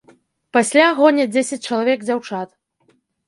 Пасля гоняць дзесяць чалавек дзяўчат.